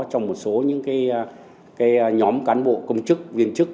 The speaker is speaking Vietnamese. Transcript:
trong một số những nhóm cán bộ công chức viên chức